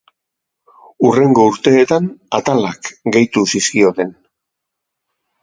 Hurrengo urteetan atalak gehitu zizkioten.